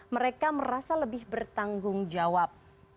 mereka merasa lebih bertanggung jawab